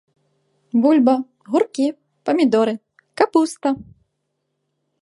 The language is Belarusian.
Бульба, гуркі, памідоры, капуста.